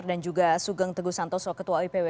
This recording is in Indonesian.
juga sugeng teguh santoso ketua ipw